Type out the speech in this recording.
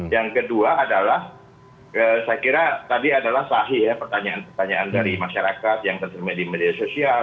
yang kedua adalah saya kira tadi adalah sahih ya pertanyaan pertanyaan dari masyarakat yang terserma di media sosial